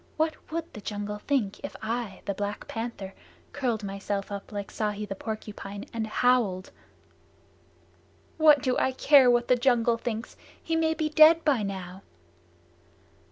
What would the jungle think if I, the Black Panther, curled myself up like Ikki the Porcupine, and howled?" "What do I care what the jungle thinks? He may be dead by now."